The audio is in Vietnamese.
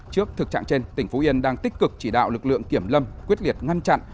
trước thực trạng trên tỉnh phú yên đang tích cực chỉ đạo lực lượng kiểm lâm quyết liệt ngăn chặn